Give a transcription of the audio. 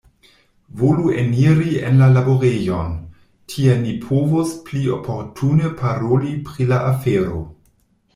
Volu eniri en la laborejon; tie ni povos pli oportune paroli pri la afero.